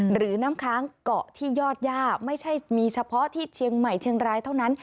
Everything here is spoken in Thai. หรือน้ำค้างเกาะที่ยอดย่าไม่ใช่มีเฉพาะที่เชียงใหม่เชียงรายเท่านั้น